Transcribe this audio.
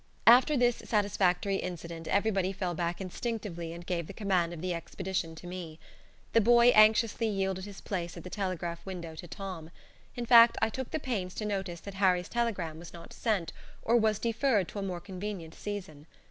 After this satisfactory incident everybody fell back instinctively and gave the command of the expedition to me. The boy anxiously yielded his place at the telegraph window to Tom; in fact, I took the pains to notice that Harry's telegram was not sent, or was deferred to a more convenient season.